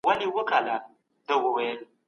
په علمي ډګر کې درواغ ځای نه لري.